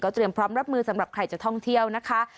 เตรียมพร้อมรับมือสำหรับใครจะท่องเที่ยวนะคะ